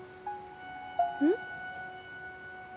うん？